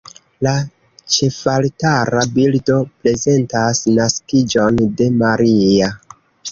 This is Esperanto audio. La ĉefaltara bildo prezentas Naskiĝon de Maria.